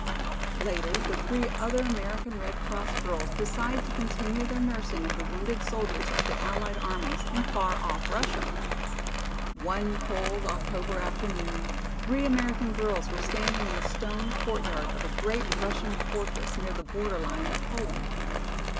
Later the three other American Red Cross girls decide to continue their nursing of the wounded soldiers of the Allied armies in far off Russia. One cold October afternoon three American girls were standing in the stone courtyard of a great Russian fortress near the border line of Poland.